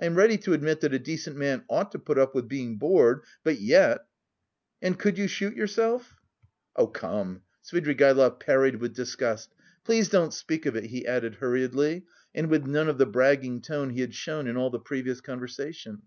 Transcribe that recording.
I am ready to admit that a decent man ought to put up with being bored, but yet..." "And could you shoot yourself?" "Oh, come!" Svidrigaïlov parried with disgust. "Please don't speak of it," he added hurriedly and with none of the bragging tone he had shown in all the previous conversation.